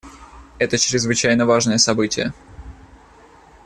Это чрезвычайно важное событие.